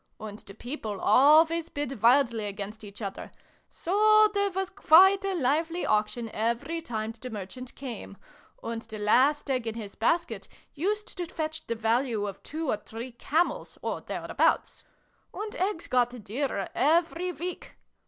And the people always bid wildly against each other : so there was quite a lively auction every time the Merchant came, and the last egg in his basket used to fetch the value of two or three camels, or thereabouts. And eggs got dearer every week.